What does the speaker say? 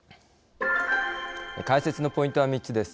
解説のポイントは３つです。